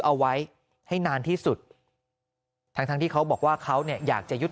เอาไว้ให้นานที่สุดทั้งทั้งที่เขาบอกว่าเขาเนี่ยอยากจะยึด